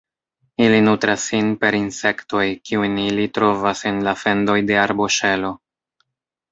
Ili nutras sin per insektoj, kiujn ili trovas en la fendoj de arboŝelo.